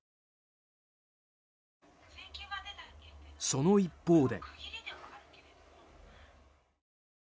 その一方で。